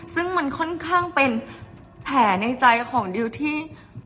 ซึ่งมันค่อนข้างเป็นแผลในใจของดิวที่